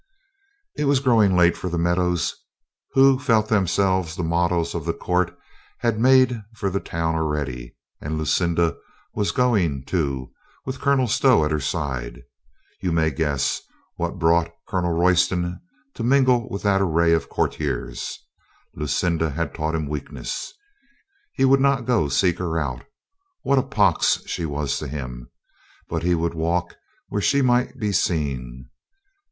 It was growing late for the meadows. Who felt themselves the models of the court had made for the town already, and Lucinda was going, too, with Colonel Stow at her side. You may guess what brought Colonel Royston to mingle with that array of courtiers. Lucinda had taught him weakness. He would not go seek her out. What a pox was she to him? But he would walk where she might be seen.